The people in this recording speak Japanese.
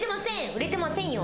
売れてませんよ